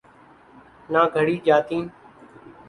نہ گھڑی جاتیں۔